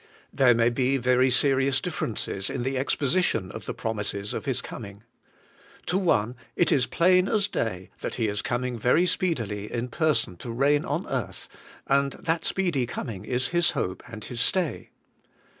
' There may be very serious difEerences in the ex ^ position of the promises of His coming. To one it is plain as day that He is coming very speedily in person to reign on earth, and that speedy coming is his hope and his stay.